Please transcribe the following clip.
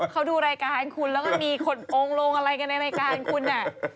เขาดูรายการคุณแล้วก็มีคนองค์ลงอะไรกันในรายการคุณ